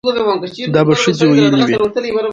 دا به ښځې ويلې وي